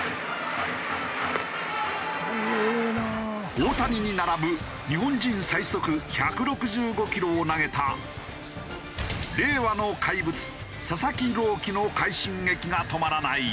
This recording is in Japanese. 大谷に並ぶ日本人最速１６５キロを投げた令和の怪物佐々木朗希の快進撃が止まらない。